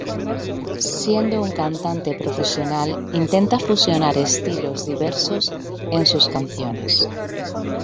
Siendo un cantante profesional, intenta fusionar estilos diversos en sus canciones.